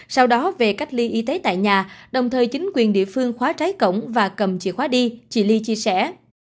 sau đó về cách ly y tế tại nhà đồng thời chính quyền địa phương khóa trái cổng và cầm chìa khóa đi chị ly chia sẻ